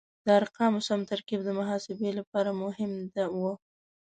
د ارقامو سم ترکیب د محاسبې لپاره مهم و.